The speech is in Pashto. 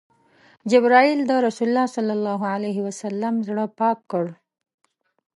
جبرئیل د رسول الله ﷺ زړه پاک کړ.